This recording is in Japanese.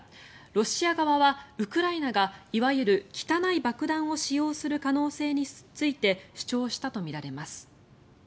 ロシア側は、ウクライナがいわゆる汚い爆弾を使用する可能性について主張したとみられます。